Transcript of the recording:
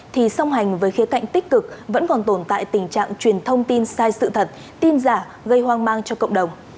thì song hành với khía cạnh tích cực vẫn còn tồn tại tình trạng truyền thông tin sai sự thật tin giả gây hoang mang cho cộng đồng